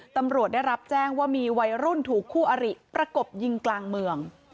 ตำรวจได้รับแจ้งว่ามีวัยรุ่นถูกคู่อริประกบยิงกลางเมือง